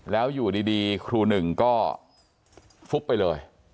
แล้วอยู่ดีครูหนึ่งก็ฟุบไปเลย